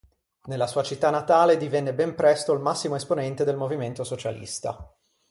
Nella sua città natale divenne ben presto il massimo esponente del movimento socialista.